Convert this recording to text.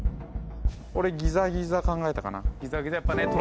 俺ギザギザ考えたかな